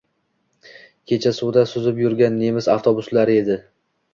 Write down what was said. Kecha suvda suzib yurgan nemis avtobuslari edi